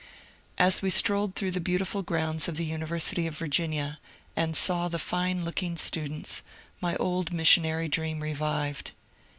As we strolled through the beautiful grounds of the Uni versity of Virginia and saw the fine looking students, my old missionary dream revived.